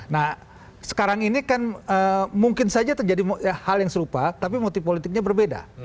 nah sekarang ini kan mungkin saja terjadi hal yang serupa tapi multi politiknya berbeda